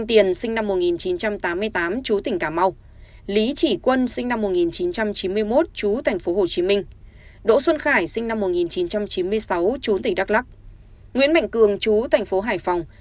nguyễn mạnh cường chú thành phố hải phòng